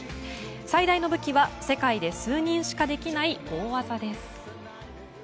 最大の武器は世界で数人しかできない大技です。